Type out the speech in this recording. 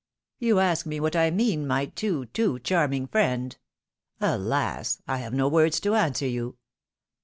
" You ask me what I mean, my too, too charming friend ! Alas ! I have no words to answer you